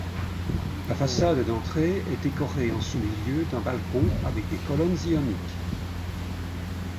La façade d'entrée est décorée en son milieu d'un balcon avec des colonnes ioniques.